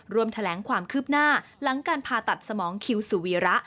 แถลงความคืบหน้าหลังการผ่าตัดสมองคิวสุวีระ